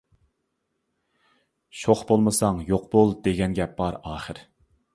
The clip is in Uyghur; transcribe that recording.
«شوخ بولمىساڭ يوق بول» دېگەن گەپ بار ئاخىر.